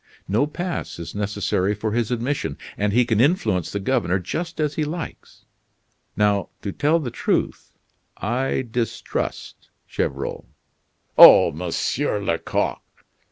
No pass is necessary for his admission, and he can influence the governor just as he likes. Now, to tell the truth, I distrust Gevrol." "Oh! Monsieur Lecoq!"